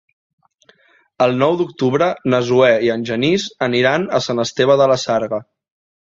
El nou d'octubre na Zoè i en Genís aniran a Sant Esteve de la Sarga.